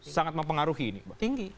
sangat mempengaruhi ini tinggi